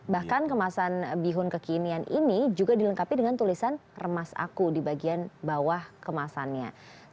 bahkan kemasan bihun kekinian ini juga dilengkapi dengan tulisan remas aku di bagian bawah kemasannya